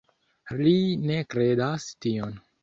Li ne kredas tion.